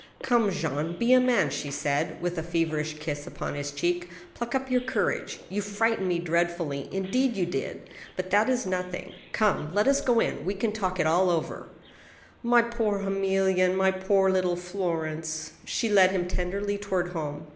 " Come, Jean, be a man," she said, with a feverish kiss upon his cheek, " pluck up your courage. You frightened me dreadfully — ^in deed you did ! But that is nothing ; come, let us go in. We can talk it all over." " My poor Emilienne !... my poor little Florence !" She led him tenderly toward home.